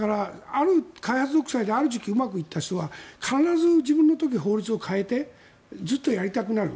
開発独裁である時期、うまくいった人は必ず自分の時、法律を変えてずっとやりたくなる。